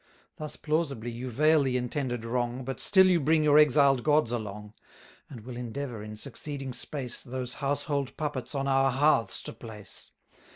Thus plausibly you veil the intended wrong, But still you bring your exiled gods along; And will endeavour, in succeeding space, Those household puppets on our hearths to place.